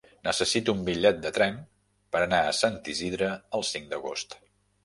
Necessito un bitllet de tren per anar a Sant Isidre el cinc d'agost.